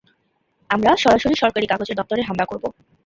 আমরা সরাসরি সরকারি কাগজের দপ্তরে হামলা করবো।